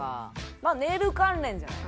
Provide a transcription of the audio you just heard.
まあ寝る関連じゃない？